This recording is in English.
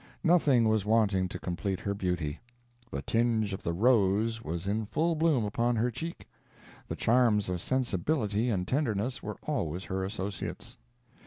Nothing was wanting to complete her beauty. The tinge of the rose was in full bloom upon her cheek; the charms of sensibility and tenderness were always her associates.